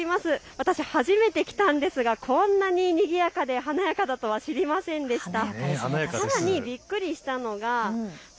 私、初めて来たんですがこんなににぎやかで華やかだとは知りませんでした。